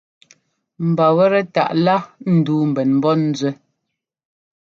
Mba wɛ́tɛ́ taʼ lá ndúu mbɛn mbɔ́ nzúɛ́.